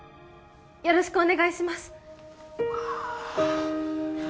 よろしくお願いしますああ